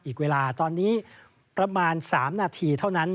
อีกเวลาตอนนี้ประมาณ๓นาทีเท่านั้น